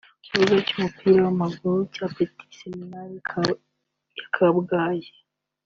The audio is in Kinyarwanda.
ku kibuga cy’umupira w’amaguru cya Petit Seminaire ya Kabgayi